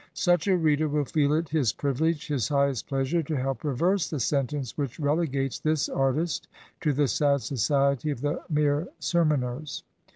Such a rtoder will feel it his privilege> his highest pleasure, to help reverse the sentence which relegates this artist to the sad society of the mere ser moners.